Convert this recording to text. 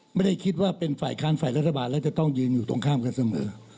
ไม่ได้คิดว่าเป็นฝ่ายค้านฝ่ายรัฐบาลแล้วจะต้องยืนอยู่ตรงข้ามกันเสมอ